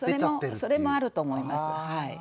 それもあると思います。